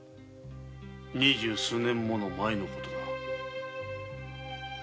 二十数年も前のことだ。